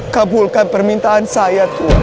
kabulkan permintaan saya tuhan